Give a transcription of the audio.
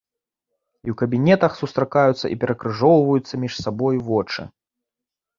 І ў кабінетах сустракаюцца і перакрыжоўваюцца між сабою вочы.